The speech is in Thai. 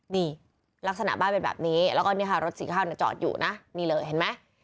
นี่ลักษณะบ้านเป็นแบบนี้แล้วก็เนี่ยค่ะรถสีข้าวจอดอยู่นะนี่เลยเห็นไหม